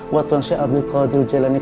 wa tuhan syai'ul qadir jalanik